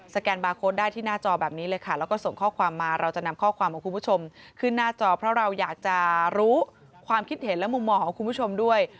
แกนบาร์โค้ดได้ที่หน้าจอแบบนี้เลยค่ะแล้วก็ส่งข้อความมาเราจะนำข้อความของคุณผู้ชมขึ้นหน้าจอเพราะเราอยากจะรู้ความคิดเห็นและมุมมองของคุณผู้ชมด้วย